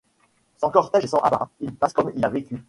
Sans cortége et sans apparat, il passe comme il a vécu.